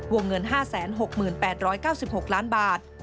วงเงิน๕๖๘๙๖ล้านบาท